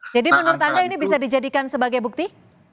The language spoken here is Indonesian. jadi menurut anda ini bisa dijadikan sebagai bukti